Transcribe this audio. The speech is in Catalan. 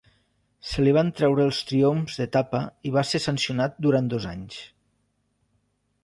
Se li van treure els triomfs d'etapa i va ser sancionat durant dos anys.